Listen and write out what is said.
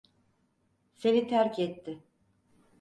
Seni terk etti.